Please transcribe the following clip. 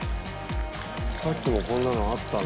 さっきもこんなのあったな。